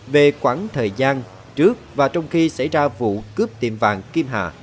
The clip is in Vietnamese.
về khoảng thời gian trước và trong khi xảy ra vụ cướp tiệm vàng kim hà